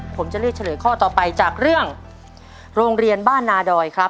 ผมจะเลือกเฉลยข้อต่อไปจากเรื่องโรงเรียนบ้านนาดอยครับ